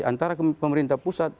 antara pemerintah pusat